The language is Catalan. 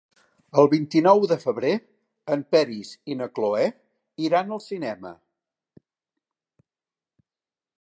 El vint-i-nou de febrer en Peris i na Cloè iran al cinema.